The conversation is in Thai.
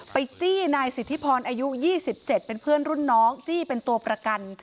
จี้นายสิทธิพรอายุ๒๗เป็นเพื่อนรุ่นน้องจี้เป็นตัวประกัน